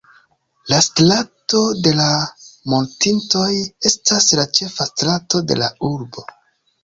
La Strato de la Mortintoj estas la ĉefa strato de la urbo.